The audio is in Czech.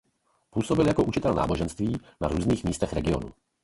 Působil jako učitel náboženství na různých místech regionu.